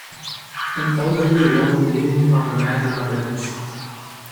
An elderly woman leaning on a man on a bench.